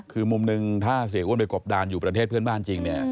คือมุมหนึ่งถ้าเสียอ้วนไปกบดานอยู่ประเทศเพื่อนบ้านจริงเนี่ย